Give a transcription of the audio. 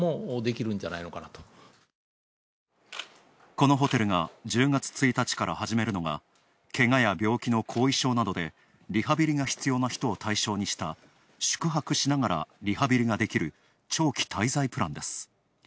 このホテルが１０月１日から始めるのがけがや病気の後遺症などでリハビリが必要な人を対象にした宿泊しながらリハビリができる長期滞在プランです。